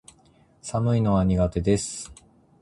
寒いのは苦手です